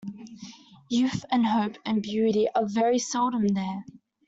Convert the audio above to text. Youth, and hope, and beauty are very seldom there.